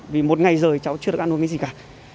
vì một ngày rồi cháu chưa được ăn uống cái gì cả